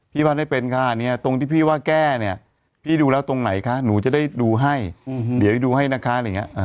พี่วาดไม่เป็นค่ะตรงที่พี่วาดแก้พี่ดูแล้วตรงไหนคะหนูจะได้ดูให้เดี๋ยวดูให้นะคะ